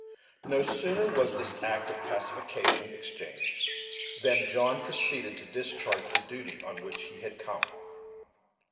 No sooner was this act of pacification exchanged, than John proceeded to discharge the duty on which he had come.